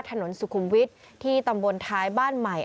ถนนสุขุมวิทย์ที่ตำบลท้ายบ้านใหม่